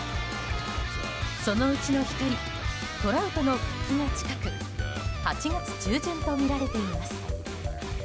そのうちの１人トラウトの復帰が近く８月中旬とみられています。